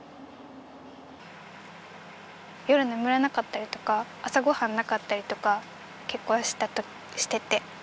夜眠れなかったりとか朝ごはんなかったりとか結構してて。